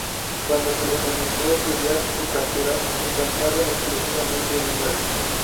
Cuando se los comenzó a estudiar y capturar, se encontraban exclusivamente hembras.